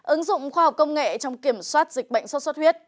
ứng dụng khoa học công nghệ trong kiểm soát dịch bệnh sốt xuất huyết